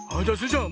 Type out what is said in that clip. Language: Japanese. ちゃん